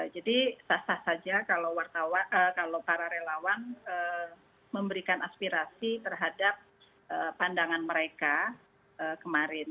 jadi sah sah saja kalau para relawan memberikan aspirasi terhadap pandangan mereka kemarin